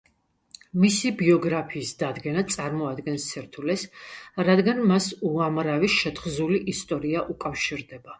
მისი ბიოგრაფიის დადგენა წარმოადგენს სირთულეს, რადგან მას უამრავი შეთხზული ისტორია უკავშირდება.